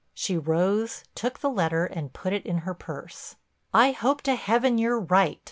She rose, took the letter and put it in her purse: "I hope to Heaven you're right.